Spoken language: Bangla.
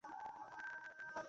আমি তাকে এখানে দেখেছি।